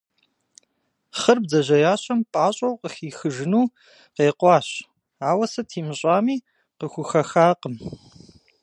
Хъыр бдзэжьеящэм пӏащӏэу къыхихыжыну къекъуащ, ауэ сыт имыщӏами, къыхухэхакъым.